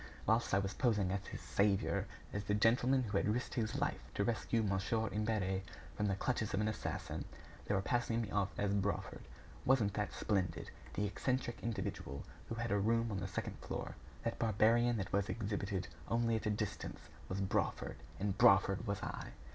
Whilst I was posing as his "saviour," as the gentleman who had risked his life to rescue Mon. Imbert from the clutches of an assassin, they were passing me off as Brawford. Wasn't that splendid? That eccentric individual who had a room on the second floor, that barbarian that was exhibited only at a distance, was Brawford, and Brawford was I!